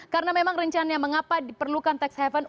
karena memang rencananya mengapa diperlukan tax haven